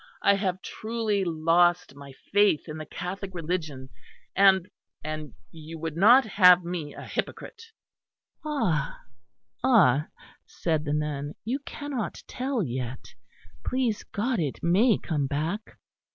I have truly lost my faith in the Catholic religion; and and you would not have me a hypocrite." "Ah! ah!" said the nun, "you cannot tell yet. Please God it may come back.